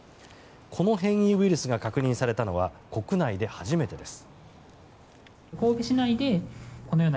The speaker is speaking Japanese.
この変異ウイルスが確認されたのは国内で初めてです。